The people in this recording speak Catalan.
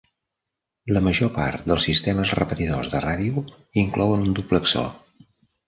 La major part dels sistemes repetidors de ràdio inclouen un duplexor.